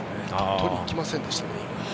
取りに行きませんでしたね、今。